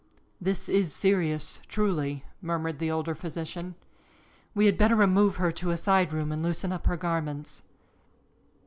"This is serious, truly," murmured the older physician. "We had better remove her to a side room and loosen up her garments."